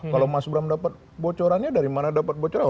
kalau mas bram dapat bocorannya dari mana dapat bocoran